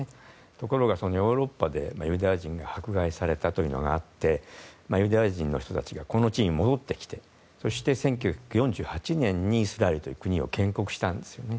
ところがヨーロッパでユダヤ人が迫害されたというのがあってユダヤ人の人たちがこの地に戻ってきてそして、１９４８年にイスラエルという国を建国したんですよね。